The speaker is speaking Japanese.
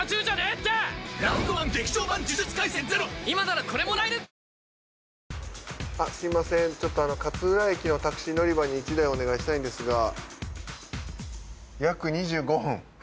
ちょっとあの勝浦駅のタクシー乗り場に１台お願いしたいんですが。